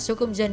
số công dân